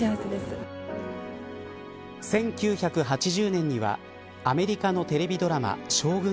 １９８０年にはアメリカのテレビドラマ将軍